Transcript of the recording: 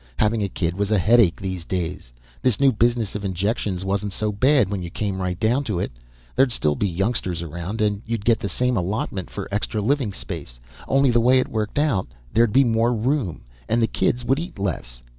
Having a kid was a headache these days. This new business of injections wasn't so bad, when you came right down to it. There'd still be youngsters around, and you'd get the same allotment for extra living space only the way it worked out, there'd be more room and the kids would eat less.